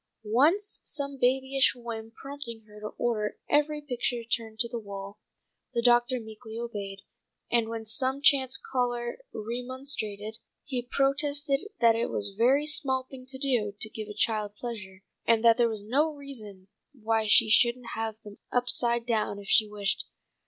Once, some babyish whim prompting her to order every picture turned to the wall, the doctor meekly obeyed, and when some chance caller remonstrated, he protested that it was a very small thing to do to give a child pleasure, and that there was no reason why she shouldn't have them upside down if she wished.